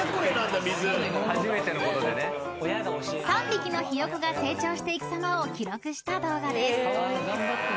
［３匹のひよこが成長していくさまを記録した動画です］